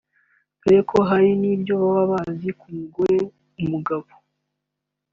dore ko hari n’ibyo baba bazi ku mugore/umugabo